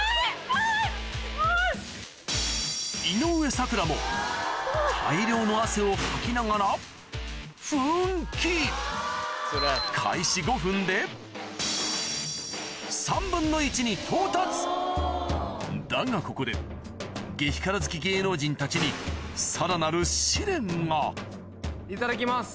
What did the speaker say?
井上咲楽も大量の汗をかきながら奮起！に到達だがここで激辛好き芸能人たちにさらなる試練がいただきます